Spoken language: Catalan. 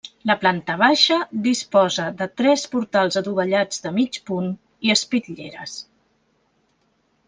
La planta baixa disposa de tres portals adovellats de mig punt i espitlleres.